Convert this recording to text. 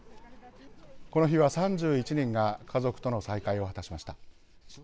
この日は３１人が家族との再会を果たしました。